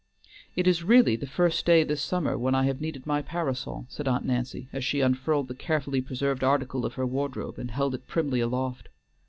"It is really the first day this summer when I have needed my parasol," said Aunt Nancy, as she unfurled the carefully preserved article of her wardrobe and held it primly aloft.